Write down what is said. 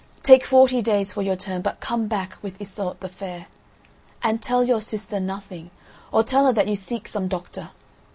Take forty days for your term, but come back with Iseult the Fair. And tell your sister nothing, or tell her that you seek some doctor.